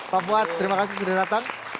pak fuad terima kasih sudah datang